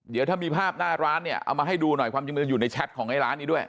เดี๋ยวถ้ามีภาพหน้าร้านเนี่ยเอามาให้ดูหน่อยความจริงมันจะอยู่ในแชทของไอ้ร้านนี้ด้วย